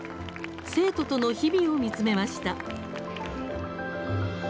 生徒との日々を見つめました。